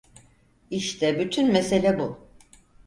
İşte bütün mesele bu.